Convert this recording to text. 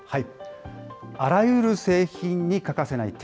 あらゆる製品に欠かせない鉄。